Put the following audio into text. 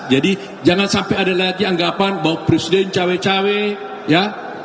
jadi jangan sampai ada lagi anggapan bahwa presiden cawe cawe ya